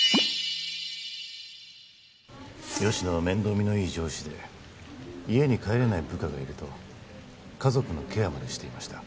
吉乃は面倒見のいい上司で家に帰れない部下がいると家族のケアまでしていました